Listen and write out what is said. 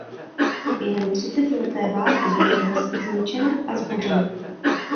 Během třicetileté války byla tvrz zničena a zbořena.